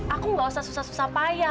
aku gak usah susah susah payah